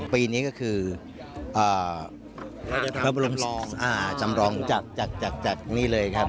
ปีนี้ก็คือพระบรมรองจำลองจากนี่เลยครับ